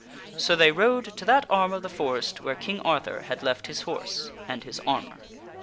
So they rode to that arm of the forest where King Arthur had left his horse and his armor.